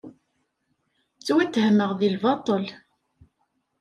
Ttwattehmeɣ deg lbaṭel.